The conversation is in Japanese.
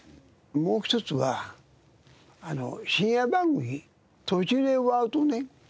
もう１つは深夜番組途中で終わるとね